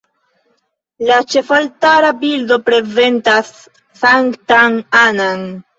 La ĉefaltara bildo prezentas Sanktan Annan.